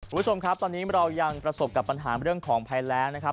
คุณผู้ชมครับตอนนี้เรายังประสบกับปัญหาเรื่องของภัยแรงนะครับ